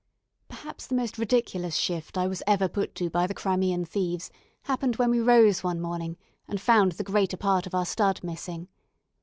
Perhaps the most ridiculous shift I was ever put to by the Crimean thieves happened when we rose one morning and found the greater part of our stud missing.